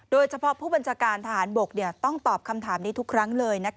โดยเฉพาะผู้บัญชาการทหารบกต้องตอบคำถามนี้ทุกครั้งเลย